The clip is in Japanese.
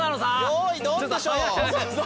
よいどんでしょ。